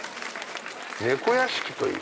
「猫屋敷」という。